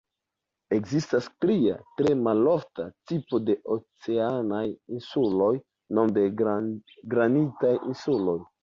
Ekzistas tria, tre malofta, tipo de oceanaj insuloj, nome la granitaj insuloj.